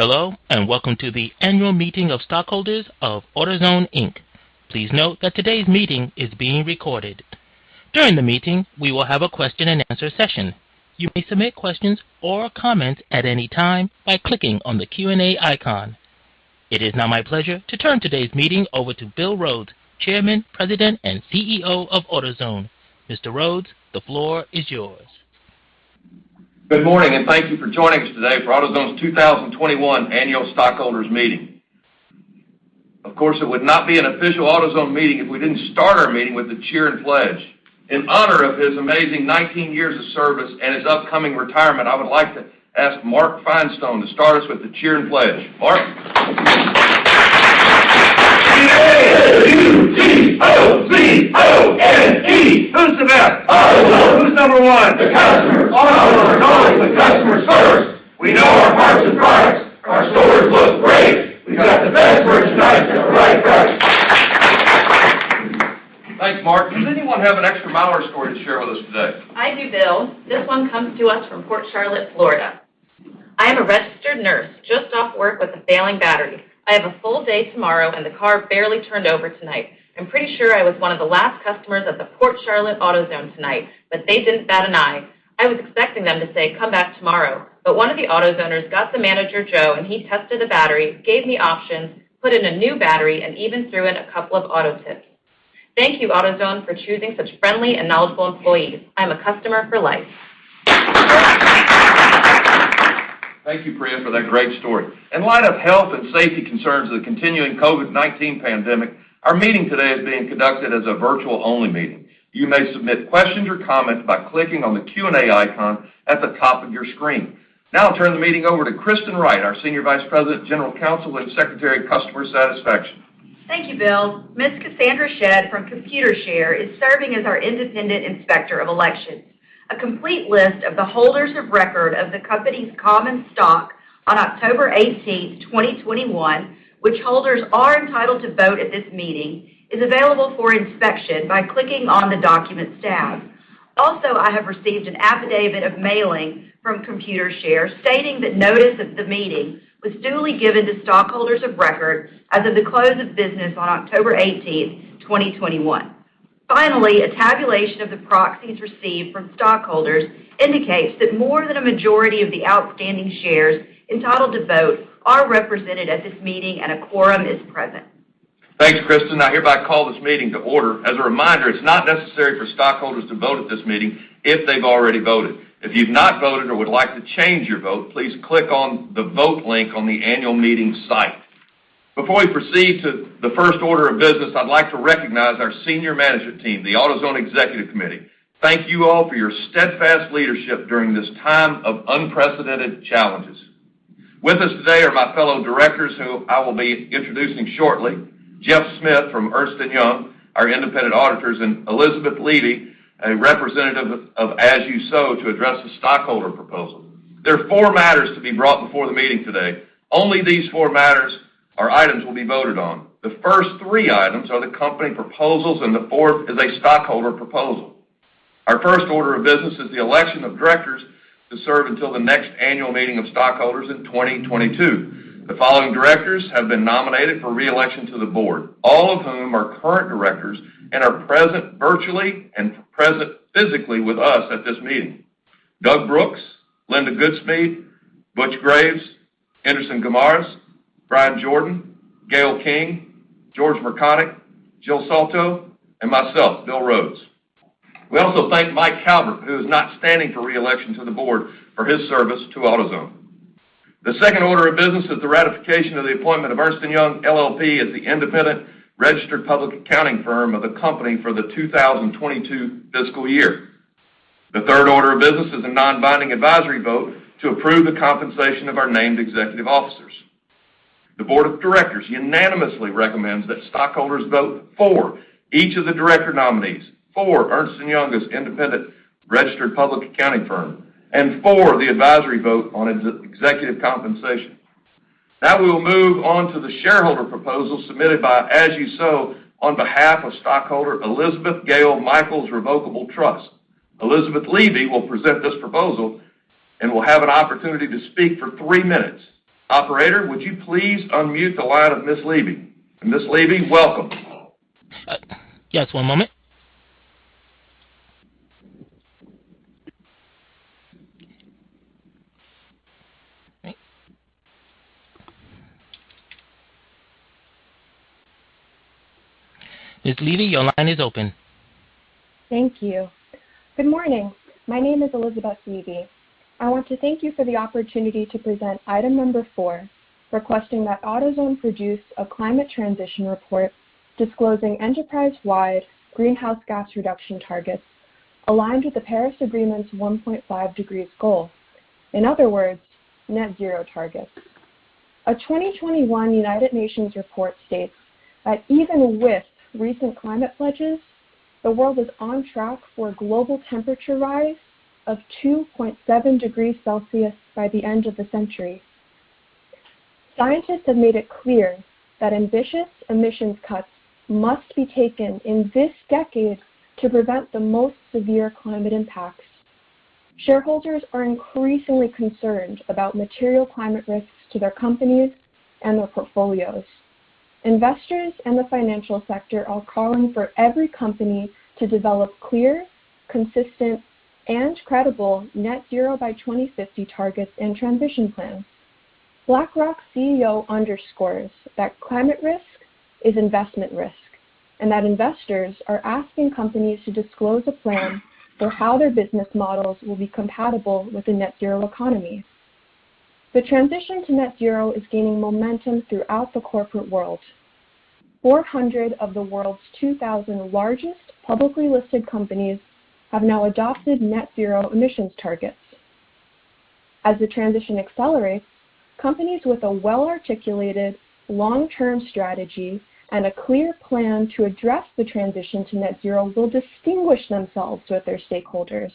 Hello, and welcome to the annual meeting of stockholders of AutoZone, Inc. Please note that today's meeting is being recorded. During the meeting, we will have a question and answer session. You may submit questions or comments at any time by clicking on the Q&A icon. It is now my pleasure to turn today's meeting over to Bill Rhodes, Chairman, President, and CEO of AutoZone. Mr. Rhodes, the floor is yours. Good morning, and thank you for joining us today for AutoZone's 2021 annual stockholders meeting. Of course, it would not be an official AutoZone meeting if we didn't start our meeting with the cheer and pledge. In honor of his amazing 19 years of service and his upcoming retirement, I would like to ask Mark Finestone to start us with the cheer and pledge. Mark. A-U-T-O-Z-O-N-E. Who's the best? AutoZone. Who's number one? The customer. Our number one goal is the customer service. We know our parts and products. Our stores look great. We got the best merchandise at the right price. Thanks, Mark. Does anyone have an extra mileage story to share with us today? I do, Bill. This one comes to us from Port Charlotte, Florida. I am a registered nurse just off work with a failing battery. I have a full day tomorrow, and the car barely turned over tonight. I'm pretty sure I was one of the last customers at the Port Charlotte AutoZone tonight, but they didn't bat an eye. I was expecting them to say, "Come back tomorrow," but one of the AutoZoners got the manager, Joe, and he tested the battery, gave me options, put in a new battery, and even threw in a couple of auto tips. Thank you, AutoZone, for choosing such friendly and knowledgeable employees. I'm a customer for life. Thank you, Priya, for that great story. In light of health and safety concerns of the continuing COVID-19 pandemic, our meeting today is being conducted as a virtual only meeting. You may submit questions or comments by clicking on the Q&A icon at the top of your screen. Now I'll turn the meeting over to Kristen Wright, our Senior Vice President, General Counsel, and Secretary. Thank you, Bill. Ms. Cassandra Shedd from Computershare is serving as our independent Inspector of Elections. A complete list of the holders of record of the company's common stock on October eighteenth, twenty twenty-one, which holders are entitled to vote at this meeting, is available for inspection by clicking on the document tab. Also, I have received an affidavit of mailing from Computershare stating that notice of the meeting was duly given to stockholders of record as of the close of business on October eighteenth, twenty twenty-one. Finally, a tabulation of the proxies received from stockholders indicates that more than a majority of the outstanding shares entitled to vote are represented at this meeting and a quorum is present. Thanks, Kristen. I hereby call this meeting to order. As a reminder, it's not necessary for stockholders to vote at this meeting if they've already voted. If you've not voted or would like to change your vote, please click on the Vote link on the annual meeting site. Before we proceed to the first order of business, I'd like to recognize our senior management team, the AutoZone Executive Committee. Thank you all for your steadfast leadership during this time of unprecedented challenges. With us today are my fellow directors, who I will be introducing shortly, Jeff Smith from Ernst & Young, our independent auditors, and Elizabeth Levy, a representative of As You Sow, to address the stockholder proposal. There are four matters to be brought before the meeting today. Only these four matters or items will be voted on. The first three items are the company proposals, and the fourth is a stockholder proposal. Our first order of business is the election of directors to serve until the next annual meeting of stockholders in 2022. The following directors have been nominated for reelection to the board, all of whom are current directors and are present virtually and present physically with us at this meeting. Doug Brooks, Linda Goodspeed, Earl G. Graves, Jr., Enderson Guimaraes, D. Bryan Jordan, Gale V. King, George R. Mrkonic, Jr., Jill Soltau, and myself, Bill Rhodes. We also thank Michael M. Calbert, who is not standing for reelection to the board, for his service to AutoZone. The second order of business is the ratification of the appointment of Ernst & Young LLP as the independent registered public accounting firm of the company for the 2022 fiscal year. The third order of business is a non-binding advisory vote to approve the compensation of our named executive officers. The board of directors unanimously recommends that stockholders vote for each of the director nominees for Ernst & Young as independent registered public accounting firm and for the advisory vote on executive compensation. Now we will move on to the shareholder proposal submitted by As You Sow on behalf of stockholder Elizabeth Gayle Michaels Revocable Trust. Elizabeth Levy will present this proposal and will have an opportunity to speak for three minutes. Operator, would you please unmute the line of Ms. Levy? Ms. Levy, welcome. Just one moment. Ms. Levy, your line is open. Thank you. Good morning. My name is Elizabeth Levy. I want to thank you for the opportunity to present item number four, requesting that AutoZone produce a climate transition report disclosing enterprise-wide greenhouse gas reduction targets aligned with the Paris Agreement's 1.5 degrees goal. In other words, net zero targets. A 2021 United Nations report states that even with recent climate pledges, the world is on track for a global temperature rise of 2.7 degrees Celsius by the end of the century. Scientists have made it clear that ambitious emissions cuts must be taken in this decade to prevent the most severe climate impacts. Shareholders are increasingly concerned about material climate risks to their companies and their portfolios. Investors and the financial sector are calling for every company to develop clear, consistent, and credible net zero by 2050 targets and transition plans. BlackRock CEO underscores that climate risk is investment risk, and that investors are asking companies to disclose a plan for how their business models will be compatible with a net zero economy. The transition to net zero is gaining momentum throughout the corporate world. 400 of the world's 2,000 largest publicly listed companies have now adopted net zero emissions targets. As the transition accelerates, companies with a well-articulated long-term strategy and a clear plan to address the transition to net zero will distinguish themselves with their stakeholders.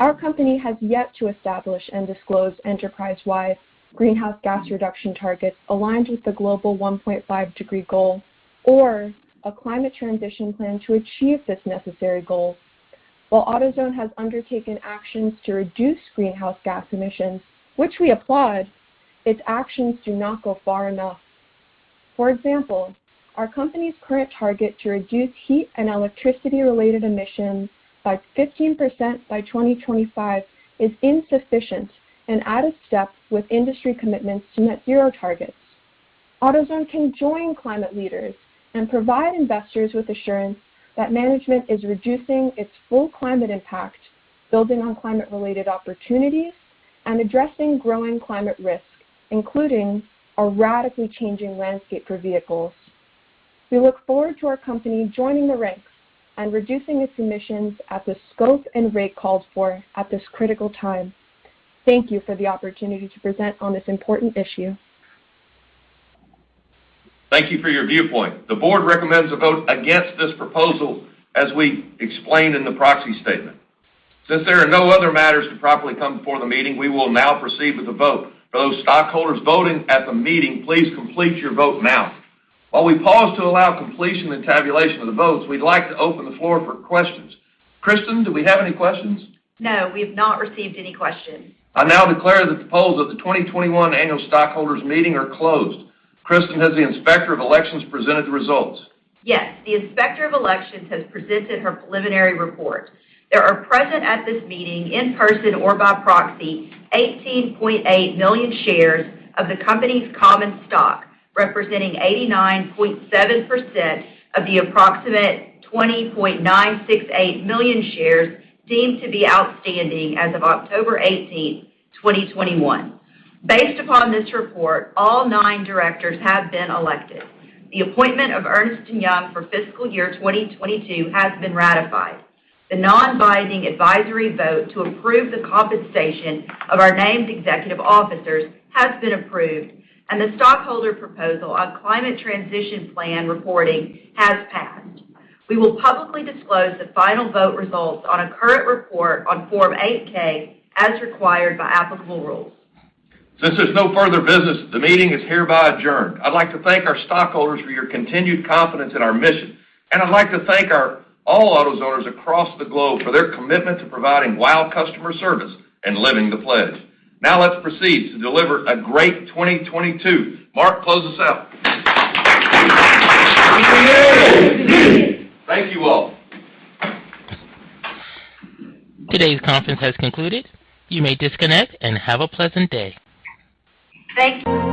Our company has yet to establish and disclose enterprise-wide greenhouse gas reduction targets aligned with the global 1.5-degree goal or a climate transition plan to achieve this necessary goal. While AutoZone has undertaken actions to reduce greenhouse gas emissions, which we applaud, its actions do not go far enough. For example, our company's current target to reduce heat and electricity-related emissions by 15% by 2025 is insufficient and out of step with industry commitments to net zero targets. AutoZone can join climate leaders and provide investors with assurance that management is reducing its full climate impact, building on climate-related opportunities, and addressing growing climate risks, including a radically changing landscape for vehicles. We look forward to our company joining the ranks and reducing its emissions at the scope and rate called for at this critical time. Thank you for the opportunity to present on this important issue. Thank you for your viewpoint. The Board recommends a vote against this proposal, as we explained in the proxy statement. Since there are no other matters to properly come before the meeting, we will now proceed with the vote. For those stockholders voting at the meeting, please complete your vote now. While we pause to allow completion and tabulation of the votes, we'd like to open the floor for questions. Kristen, do we have any questions? No, we have not received any questions. I now declare that the polls of the 2021 annual stockholders meeting are closed. Kristen, has the Inspector of Elections presented the results? Yes, the Inspector of Elections has presented her preliminary report. There are present at this meeting in person or by proxy 18.8 million shares of the company's common stock, representing 89.7% of the approximate 20.968 million shares deemed to be outstanding as of October eighteenth, 2021. Based upon this report, all nine directors have been elected. The appointment of Ernst & Young for fiscal year 2022 has been ratified. The non-binding advisory vote to approve the compensation of our named executive officers has been approved. The stockholder proposal on climate transition plan reporting has passed. We will publicly disclose the final vote results on a current report on Form 8-K as required by applicable rules. Since there's no further business, the meeting is hereby adjourned. I'd like to thank our stockholders for your continued confidence in our mission. I'd like to thank our all AutoZoners across the globe for their commitment to providing WOW customer service and living the pledge. Now let's proceed to deliver a great 2022. Mark, close us out. WITTDTJR. Thank you all. Today's conference has concluded. You may disconnect and have a pleasant day. Thank